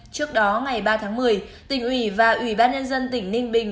trước đó ngày ba tháng một mươi tỉnh ủy và ủy ban nhân dân tỉnh ninh bình